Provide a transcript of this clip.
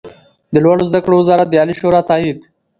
د لوړو زده کړو وزارت د عالي شورا تائید